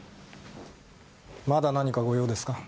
まだ何かご用ですか？